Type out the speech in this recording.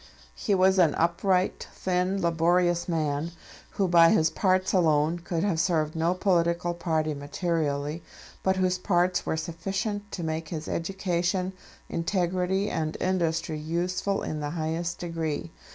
He was an upright, thin, laborious man; who by his parts alone could have served no political party materially, but whose parts were sufficient to make his education, integrity, and industry useful in the highest degree.